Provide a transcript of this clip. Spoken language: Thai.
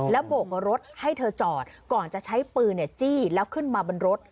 โบกรถให้เธอจอดก่อนจะใช้ปืนจี้แล้วขึ้นมาบนรถ